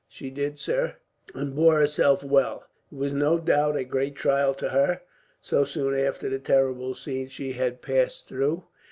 "She did, sir, and bore herself well. It was no doubt a great trial to her, so soon after the terrible scene she had passed through.